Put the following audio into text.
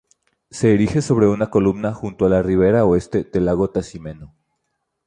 Se erige sobre una columna junto a la ribera oeste del lago Trasimeno.